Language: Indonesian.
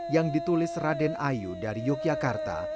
yang ditulis raden ayu dari yogyakarta